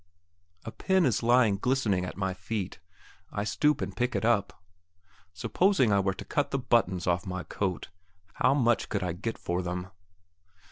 A pin is lying glistening at my feet; I stoop and pick it up. Supposing I were to cut the buttons off my coat, how much could I get for them?